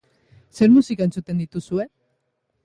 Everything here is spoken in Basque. Zer musika entzuten dituzue?